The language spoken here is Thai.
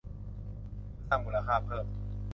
เพื่อสร้างมูลค่าเพิ่ม